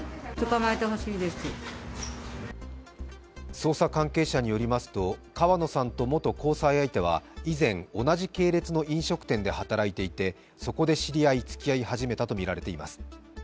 捜査関係者によりますと、川野さんと元交際相手は以前、同じ系列の飲食店で働いていて、そこで知り合い、つきあい始めたとみられています。